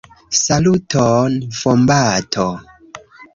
Saluton, vombato!